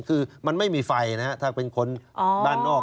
คือมันไม่มีไฟนะฮะถ้าเป็นคนด้านนอก